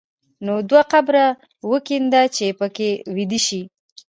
نو دوه قبره وکینده چې په کې ویده شې.